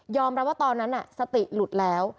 รับว่าตอนนั้นสติหลุดแล้ว